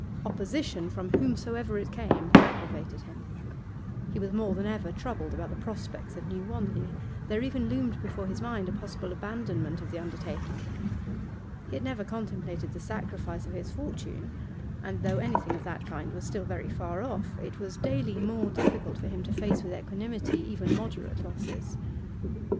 Opposition, from whomsoever it came, aggravated him. He was more than ever troubled about the prospects of New Wanley; there even loomed before his mind a possible abandonment of the undertaking. He had never contemplated the sacrifice of his fortune, and though anything of that kind was still very far off, it was daily more difficult for him to face with equanimity even moderate losses.